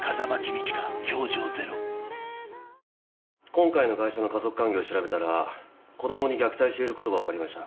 今回のガイ者の家族関係を調べたら子供に虐待していることが分かりました。